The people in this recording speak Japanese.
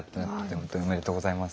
ほんとにおめでとうございます。